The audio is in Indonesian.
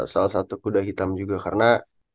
salah satu kuda hitam juga karena